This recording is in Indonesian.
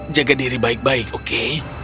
jaga diri baik baik oke